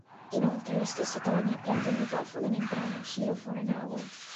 Inoltre lo stesso Tony prende il microfono nel brano "Hero for an Hour".